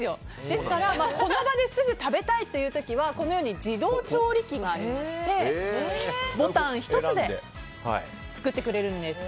ですから、この場ですぐ食べたい時はこのように自動調理機がありましてボタン１つで作ってくれるんです。